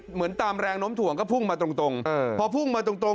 เหมือนตามแรงน้มถ่วงก็พุ่งมาตรง